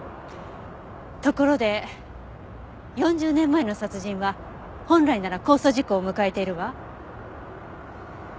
ところで４０年前の殺人は本来なら公訴時効を迎えているわ。